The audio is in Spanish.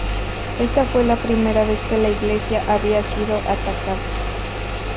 Esta fue la primera vez que la iglesia había sido atacada.